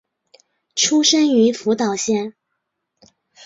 出身于福岛县。